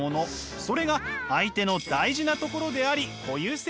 それが相手の大事なところであり固有性なのです！